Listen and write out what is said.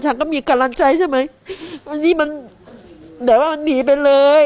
ก็มีกำลังใจใช่ไหมวันนี้มันแบบว่าหนีไปเลย